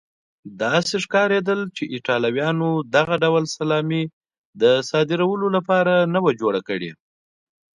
داسې ښکارېدل چې ایټالویانو دغه ډول سلامي د صادرولو لپاره نه وه جوړه کړې.